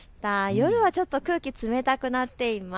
夜はちょっと空気冷たくなっています。